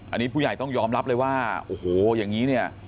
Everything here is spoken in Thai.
อันนี้ผู้ใหญ่ต้องยอมรับเลยว่าโอ้โหอย่างนี้เนี่ย